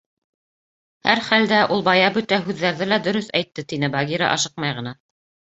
— Һәр хәлдә, ул бая бөтә һүҙҙәрҙе лә дөрөҫ әйтте, — тине Багира ашыҡмай ғына.